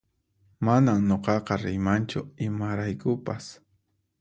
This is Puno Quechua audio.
Manan nuqaqa riymanchu imaraykupas